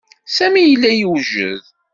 Sami yella yewjed.